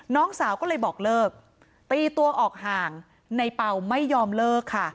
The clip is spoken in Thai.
น้องสาวก็เลยบอกเลิกตีตัวออกห่างในเป่าไม่ยอมเลิกค่ะ